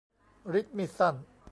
ฤทธิ์มีดสั้น